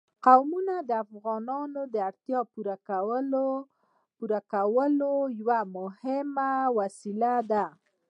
قومونه د افغانانو د اړتیاوو د پوره کولو یوه مهمه وسیله ده.